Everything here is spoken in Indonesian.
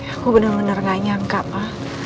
aku bener bener nganyang kak ma